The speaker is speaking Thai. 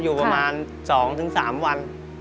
อยู่ประมาณ๒๓วัน